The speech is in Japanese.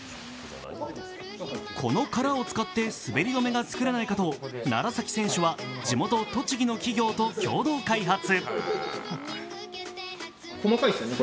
この殻を使って滑り止めが作れないかと楢崎選手は地元・栃木の企業と共同開発。